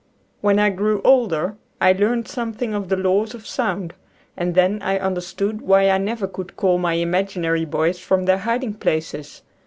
When I grew older I learned something of the laws of sound, and then I understood why I never could call my imaginary boys from their hiding places.